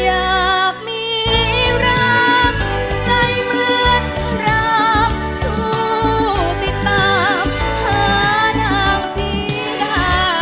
อยากมีรักใจเหมือนรับสู้ติดตามหานางศรีดา